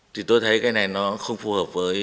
thì tôi thấy cái này nó không phù hợp với